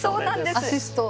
アシスト。